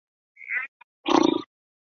氨基糖是一类羟基被氨基取代的糖类。